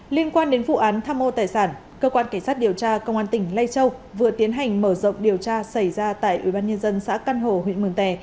liên quan đến vụ án tham ô tài sản cơ quan cảnh sát điều tra công an tỉnh lai châu vừa tiến hành mở rộng điều tra xảy ra tại ubnd xã căn hồ huyện mường tè